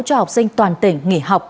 cho học sinh toàn tỉnh nghỉ học